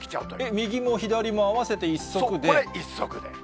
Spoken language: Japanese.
右も左も合わせて１足これ１足で。